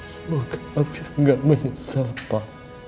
semoga afif gak menyesal papa